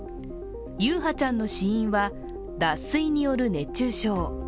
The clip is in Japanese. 優陽ちゃんの死因は脱水による熱中症。